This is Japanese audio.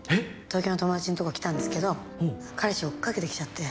東京の友達のとこ来たんですけど彼氏追っかけてきちゃって。